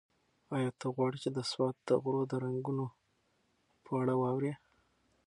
ایا ته غواړې چې د سوات د غرو د رنګونو په اړه واورې؟